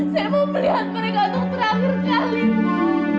saya mau melihat mereka untuk terakhir kali bu